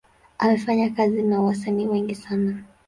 Amefanya kazi na wasanii wengi sana.